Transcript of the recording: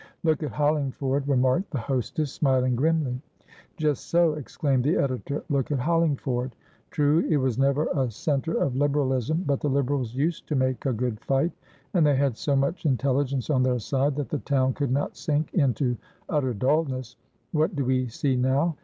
"Look at Hollingford," remarked the hostess, smiling grimly. "Just so!" exclaimed the editor. "Look at Hollingford! True, it was never a centre of Liberalism, but the Liberals used to make a good fight, and they had so much intelligence on their side that the town could not sink into utter dulness. What do we see now?"